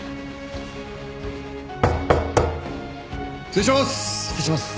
失礼します！